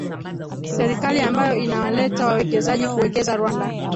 Serikali ambayo inawaleta wawekezaji kuwekeza Rwanda